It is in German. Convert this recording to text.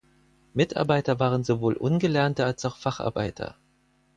Mitarbeiter waren sowohl Ungelernte als auch Facharbeiter.